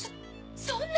そんな！